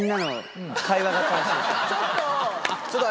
ちょっと。